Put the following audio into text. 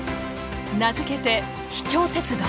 名付けて「秘境鉄道」。